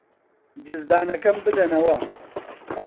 جزدانەکەم بدەنەوە.